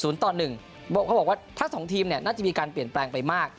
เขาบอกว่าทั้งสองทีมน่าจะมีการเปลี่ยนแปลงไปมาก